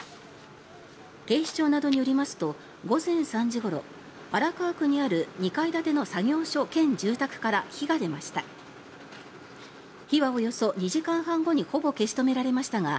警視庁などによりますと午前３時ごろ荒川区にある２階建ての作業所兼住宅から火が出ました。